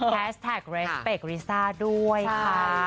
แท็กเรสเปคริซ่าด้วยค่ะ